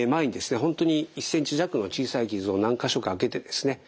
本当に１センチ弱の小さい傷を何か所かあけてですね